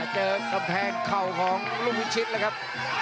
เจอกำแพงเข่าของลูกพิชิตแล้วครับ